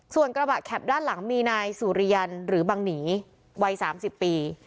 ส่วนกระบะแข็บด้านหลังมีนายสุริยันหรือบังหนีวัย๓๐ปี